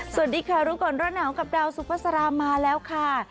สวัสดีค่ะรู้ก่อนร้อนหนาวกับดาวสุภาษามาแล้วค่ะ